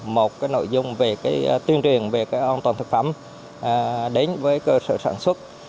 một nội dung về tuyên truyền về an toàn thực phẩm đến với cơ sở sản xuất